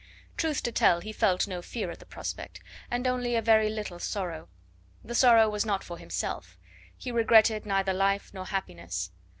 Truth to tell, he felt no fear at the prospect, and only a very little sorrow. The sorrow was not for himself; he regretted neither life nor happiness.